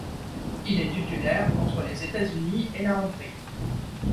Il est titulaire contre les États-Unis et la Hongrie.